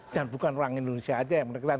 dan bukan orang indonesia saja yang menekan